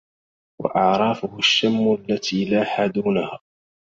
وأعرافه الشم التي لاح دونها